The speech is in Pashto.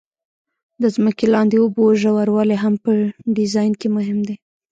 د ځمکې لاندې اوبو ژوروالی هم په ډیزاین کې مهم دی